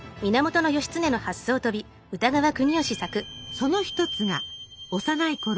その一つが幼いころ